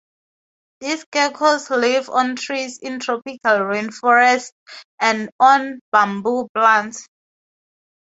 These geckos live on trees in tropical rain forests and on bamboo plants.